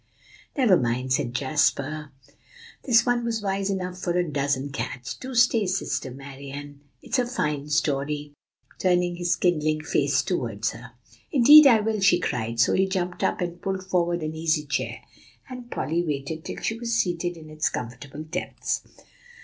"Never mind," said Jasper; "this one was wise enough for a dozen cats. Do stay, Sister Marian; it's a fine story," turning his kindling face toward her. "Indeed I will," she cried; so he jumped up, and pulled forward an easy chair, and Polly waited till she was seated in its comfortable depths.